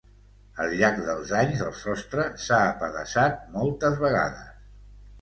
Al llarg dels anys, el sostre s'ha apedaçat moltes vegades.